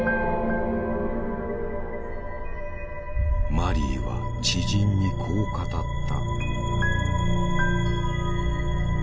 マリーは知人にこう語った。